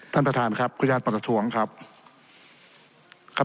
ท่านประธานครับคุณญาติปรัฐทวงศ์ครับ